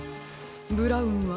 ブラウンは？